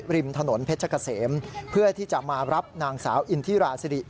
ริมถนนเพชรเกษมเพื่อที่จะมารับนางสาวอินทิราสิริ